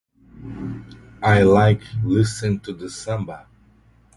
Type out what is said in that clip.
I like listen to the samba.